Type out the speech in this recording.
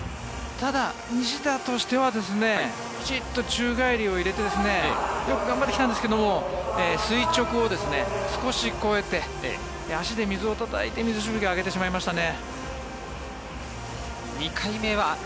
ただ、西田としてはきちんと宙返りを入れてよく頑張ってきたんですけど垂直を少し越えて、足で水をたたいて水しぶきを上げてしまいましたね。